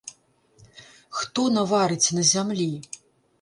Хто наварыць на зямлі?